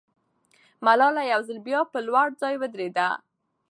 ملاله یو ځل بیا پر لوړ ځای ودرېده.